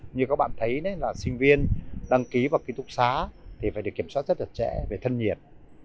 như các bạn thấy sinh viên đăng ký vào ký túc xá thì phải được kiểm soát rất là trẻ về thân nhiệt